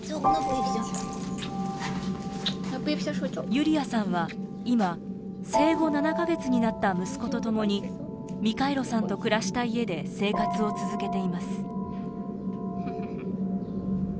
ユリアさんは今生後７か月になった息子とともにミカイロさんと暮らした家で生活を続けています。